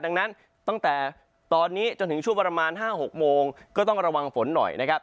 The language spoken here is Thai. ดังนั้นตั้งแต่ตอนนี้จนถึงช่วงประมาณ๕๖โมงก็ต้องระวังฝนหน่อยนะครับ